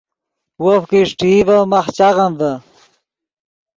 وف کہ اݰٹئی ڤے ماخ چاغم ڤے